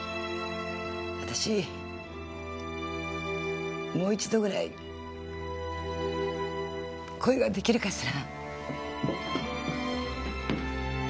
あたしもう一度ぐらい恋が出来るかしら？